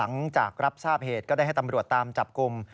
หลังจากรับทราบเหตุก็ได้ให้ตำรวจตามจับกลุ่ม